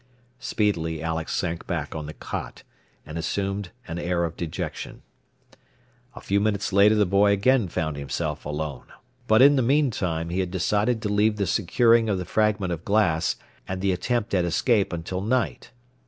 Speedily Alex sank back on the cot, and assumed an air of dejection. A few minutes later the boy again found himself alone. But in the meantime he had decided to leave the securing of the fragment of glass and the attempt at escape until night.